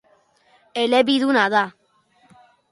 Elebiduna da.